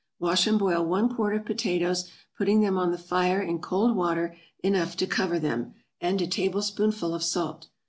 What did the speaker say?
= Wash and boil one quart of potatoes, putting them on the fire in cold water enough to cover them, and a tablespoonful of salt.